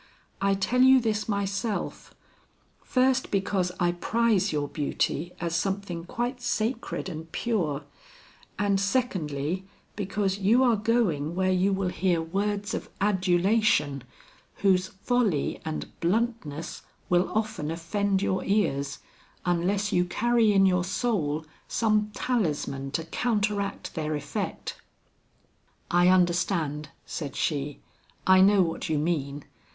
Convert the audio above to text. I tell you this myself, first because I prize your beauty as something quite sacred and pure, and secondly because you are going where you will hear words of adulation, whose folly and bluntness will often offend your ears, unless you carry in your soul some talisman to counteract their effect." "I understand," said she, "I know what you mean.